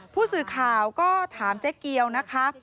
ผู้สื่อข่าวก็ถามเจ๊เกียวนะคะ